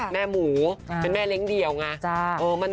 แม่หมูเป็นแม่เลี้ยงเดี่ยวไง